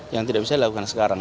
yang tidak bisa dilakukan sekarang